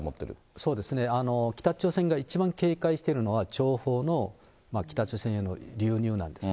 そうですね、北朝鮮が一番警戒しているのは、情報の北朝鮮への流入なんですね。